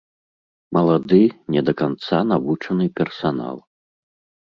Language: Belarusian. Малады, не да канца навучаны персанал.